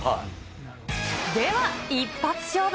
では、一発勝負。